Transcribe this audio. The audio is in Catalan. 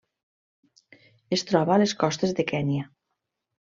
Es troba a les costes de Kenya.